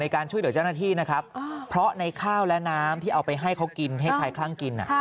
การช่วยเหลือเจ้าหน้าที่นะครับเพราะในข้าวและน้ำที่เอาไปให้เขากินให้ชายคลั่งกิน